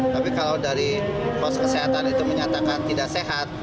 tapi kalau dari pos kesehatan itu menyatakan tidak sehat